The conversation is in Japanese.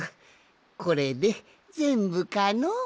これでぜんぶかの？